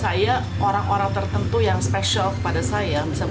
jadi buat saya orang orang tertentu yang special kepada saya bisa bikin saya bahagia itu apa ya